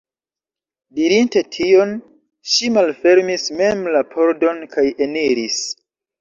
Dirinte tion, ŝi malfermis mem la pordon kaj eniris.